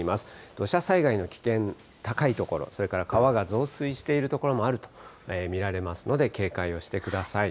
土砂災害の危険、高い所、それから川が増水している所もあると見られますので、警戒をしてください。